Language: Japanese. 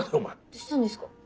どうしたんですか？